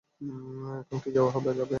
এখন কি যাওয়া যাবে?